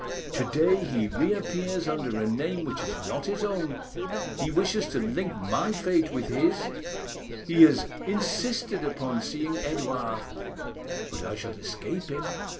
To day he reappears under a name which is not his own: he wishes to link my fate with his; he has insisted on seeing Edouard. But I shall escape him.